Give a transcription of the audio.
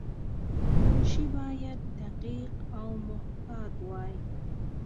منشي باید دقیق او محتاط وای.